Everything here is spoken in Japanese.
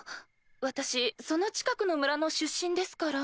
私その近くの村の出身ですから。